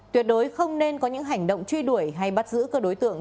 tuyệt đối không nên có những hành động truy đuổi hay bắt giữ các đối tượng